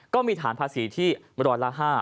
ก็มีฐานภาษีที่ร้อยละ๕